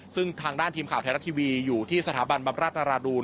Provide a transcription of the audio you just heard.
ซึ่งทางด้านทีมข่าวไทยรัฐทีวีอยู่ที่สถาบันบำราชนราดูล